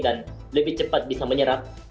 lebih cepat bisa menyerap